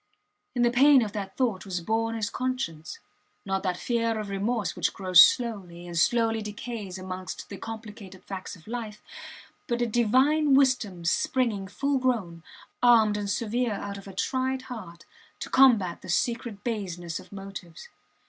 In the pain of that thought was born his conscience; not that fear of remorse which grows slowly, and slowly decays amongst the complicated facts of life, but a Divine wisdom springing full grown, armed and severe out of a tried heart, to combat the secret baseness of motives.